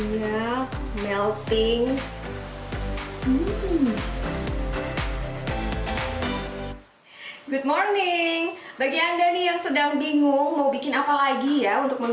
ya melting good morning bagi anda nih yang sedang bingung mau bikin apa lagi ya untuk